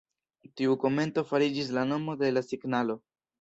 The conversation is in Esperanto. Tiu komento fariĝis la nomo de la signalo.